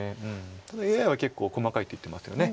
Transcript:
ただＡＩは結構細かいって言ってますよね。